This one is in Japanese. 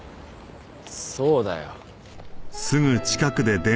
そうだよ。